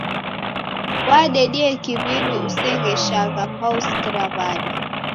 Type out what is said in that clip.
Wadedie kiw'iw'I usegheshagha mbao usikiragha w'ada.